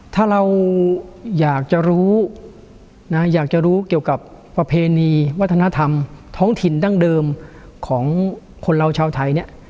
ถ้าเราอยากจะรู้นะอยากจะรู้เกี่ยวกับประเพณีวัฒนธรรมท้องถิ่นดั้งเดิมของคนเราชาวไทยเนี่ย